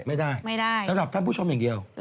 ไม่ได้ไม่ได้สำหรับท่านผู้ชมอย่างเดียว